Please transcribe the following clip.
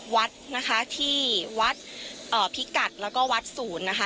วัดนะคะที่วัดพิกัดแล้วก็วัดศูนย์นะคะ